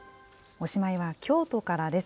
おしまいは京都からです。